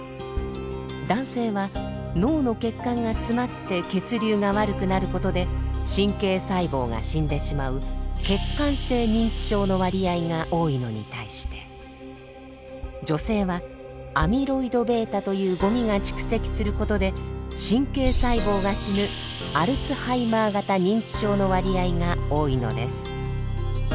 男性は脳の血管が詰まって血流が悪くなることで神経細胞が死んでしまう血管性認知症の割合が多いのに対して女性はアミロイドβというゴミが蓄積することで神経細胞が死ぬアルツハイマー型認知症の割合が多いのです。